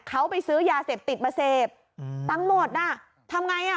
เขาไปซื้อยาเสพติดมาเสพอืมตังค์หมดน่ะทำไงอ่ะ